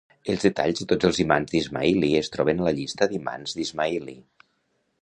Els detalls de tots els imams d'Ismaili es troben a la llista d'imams d'Ismaili.